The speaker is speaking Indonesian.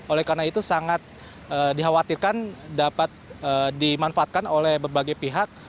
oleh karena itu sangat dikhawatirkan dapat dimanfaatkan oleh berbagai pihak